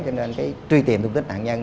cho nên cái truy tìm thông tin nạn nhân